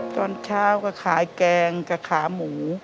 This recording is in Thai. ตอนเช้าก็ขายแกงกับขาหมู